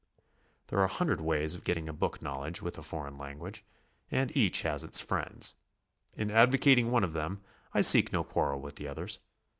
There are a hundred ways of getting a book knowledge of a foreign language, and each bas its friends. In advocat ing one of them I seek no quarrel with the others.